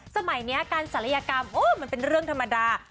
สมัยนี้การศัลยกรรมโอ้มันเป็นเรื่องธรรมดา